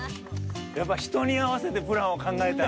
やっぱ人に合わせてプランを考えた。